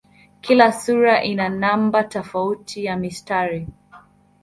Kila sura ina namba tofauti ya mistari.